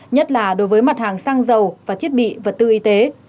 nhất là đối với mặt hàng xăng dầu và thiết bị vật tư y tế